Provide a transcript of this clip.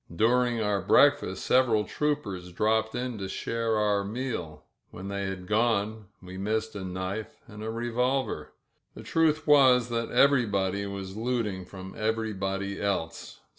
During break fast several troopers dropped in to share our meal — when they had gone we missed a knife and a revolver. The truth was that everybody was looting from every body else.